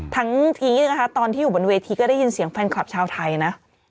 ทั้งทีนะคะตอนที่อยู่บนเวทีก็ได้ยินเสียงแฟนคลับชาวไทยนะ